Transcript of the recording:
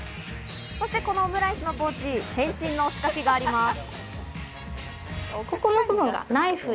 そしてこのオムライスのポーチ、変身の仕掛けがあります。